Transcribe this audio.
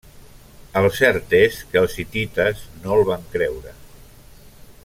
El cert és que els hitites no el van creure.